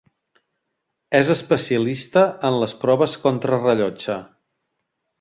És especialista en les proves contrarellotge.